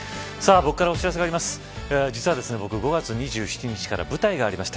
僕からお知らせがあります。